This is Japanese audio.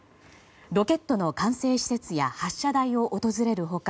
ロケットの管制施設や発射台を訪れる他